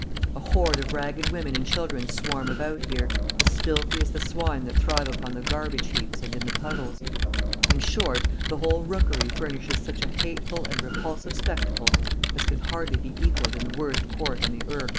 A horde of ragged women and children swarm about here, as filthy as the swine that thrive upon the garbage heaps and in the puddles. In short, the whole rookery furnishes such a hateful and repulsive spectacle as can hardly be equalled in the worst court on the Irk.